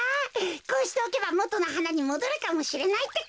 こうしておけばもとのはなにもどるかもしれないってか。